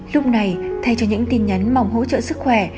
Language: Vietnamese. lúc này thay cho những tin nhắn mỏng hỗ trợ sức khỏe